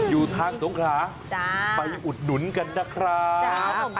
อยู่ทางสงขาไปอุดหนุนกันนะครับ